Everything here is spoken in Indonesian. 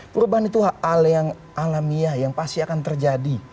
perubahan itu hal yang alamiah yang pasti akan terjadi